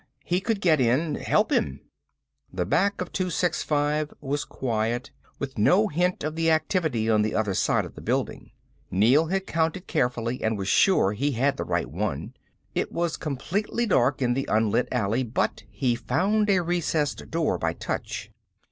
He could get in, help him. The back of 265 was quiet, with no hint of the activity on the other side of the building. Neel had counted carefully and was sure he had the right one. It was completely dark in the unlit alley, but he found a recessed door by touch.